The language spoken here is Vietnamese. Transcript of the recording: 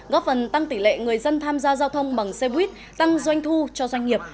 góp phần tăng tỷ lệ người dân tham gia giao thông bằng xe buýt tăng doanh thu cho doanh nghiệp